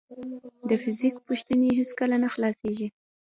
د فزیک پوښتنې هیڅکله نه خلاصېږي.